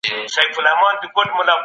دا د انساني ځواک ننداره